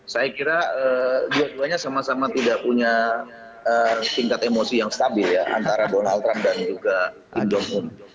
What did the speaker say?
saya kira dua duanya sama sama tidak punya tingkat emosi yang stabil ya antara donald trump dan juga kindong un